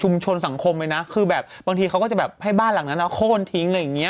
สังคมเลยนะคือแบบบางทีเขาก็จะแบบให้บ้านหลังนั้นโค้นทิ้งอะไรอย่างเงี้